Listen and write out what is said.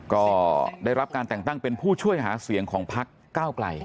ก็ได้รับการแต่งตั้งเป็นผู้ช่วยหาเสียงของพักก้าวไกล